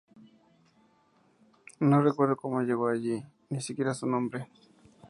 No recuerda cómo llegó allí, ni siquiera su nombre.